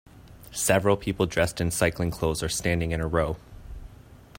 Several people dressed in cycling clothes are standing in a row.